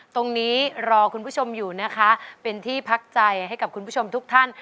ตรงนี้รอคุณผู้ชมอยู่นะคะเป็นที่พักใจให้กับคุณผู้ชมทุกท่าน